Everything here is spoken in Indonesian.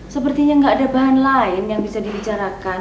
sepertinya nggak ada bahan lain yang bisa dibicarakan